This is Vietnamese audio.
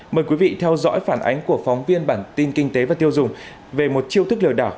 mời quý vị theo dõi phản ánh của phóng viên bản tin kinh tế và tiêu dùng về một chiêu thức lừa đảo